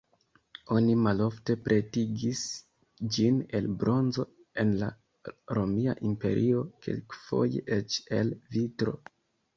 Oni malofte pretigis ĝin el bronzo, en la Romia imperio kelkfoje eĉ el vitro.